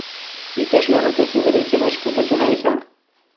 Ikasle horrek ez du bere izena ezkutatu nahi izan.